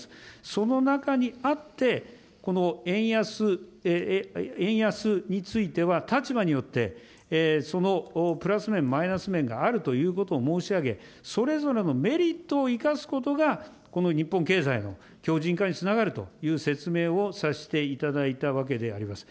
その中にあって、この円安、円安については、立場によって、そのプラス面、マイナス面があるということを申し上げ、それぞれのメリットを生かすことが、この日本経済の強じん化につながるという説明をさせていただいたわけであります。